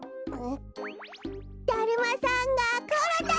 だるまさんがころんだ！